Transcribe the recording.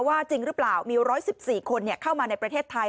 ว่าจริงหรือเปล่ามีร้อยสิบสี่คนเนี่ยเข้ามาในประเทศไทย